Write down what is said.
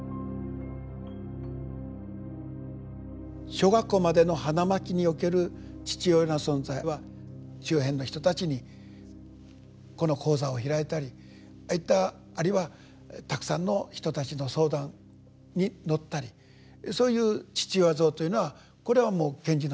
小学校までの花巻における父親の存在は周辺の人たちにこの講座を開いたりああいったあるいはたくさんの人たちの相談に乗ったりそういう父親像というのはこれはもう賢治のひとつの理想であったと。